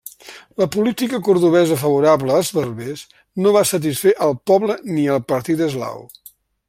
La política cordovesa favorable als berbers no va satisfer al poble ni al partit eslau.